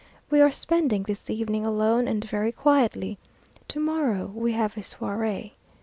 We are spending this evening alone, and very quietly. Tomorrow we have a soirée.